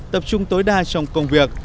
tập trung tối đa trong công việc